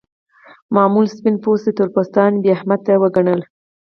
معمول سپین پوستو تور پوستان بې اهمیت وګڼل.